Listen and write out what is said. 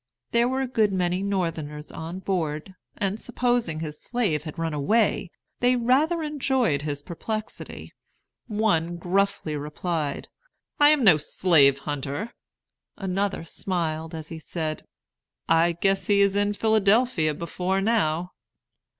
There were a good many Northerners on board, and, supposing his slave had run away, they rather enjoyed his perplexity. One gruffly replied, "I am no slave hunter." Another smiled as he said, "I guess he is in Philadelphia before now."